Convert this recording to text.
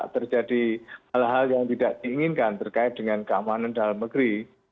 terjadi hal hal yang tidak diinginkan terkait dengan keamanan dalam negeri